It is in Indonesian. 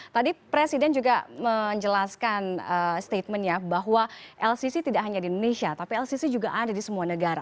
tadi presiden juga menjelaskan statementnya bahwa lcc tidak hanya di indonesia tapi lcc juga ada di semua negara